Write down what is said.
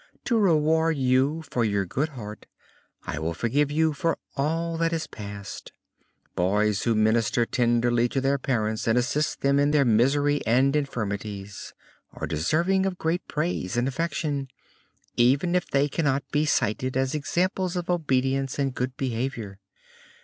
To reward you for your good heart I will forgive you for all that is past. Boys who minister tenderly to their parents and assist them in their misery and infirmities, are deserving of great praise and affection, even if they cannot be cited as examples of obedience and good behavior.